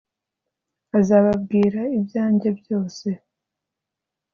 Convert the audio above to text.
azababwira ibyanjye byose